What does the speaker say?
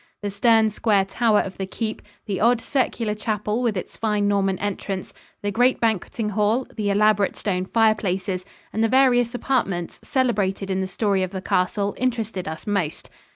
The stern square tower of the keep, the odd circular chapel with its fine Norman entrance, the great banqueting hall, the elaborate stone fireplaces and the various apartments celebrated in the story of the castle interested us most.